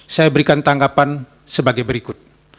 saya berikan tanggapan sebagai berikut